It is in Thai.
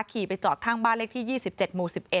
ขี่ไปจอดข้างบ้านเลขที่๒๗หมู่๑๑